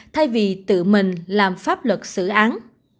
thay vì tự mình làm pháp luật xử án